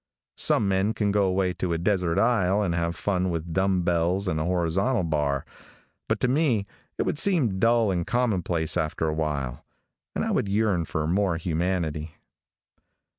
Some men can go away to a desert isle and have fun with dumb bells and a horizontal bar, but to me it would seem dull and commonplace after a while, and I would yearn for more humanity.